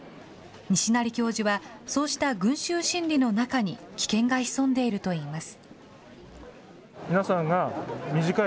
西成教授は、そうした群集心理の中に危険が潜んでいるといいます。